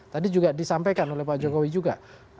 tadi juga disampaikan oleh pak jokowi juga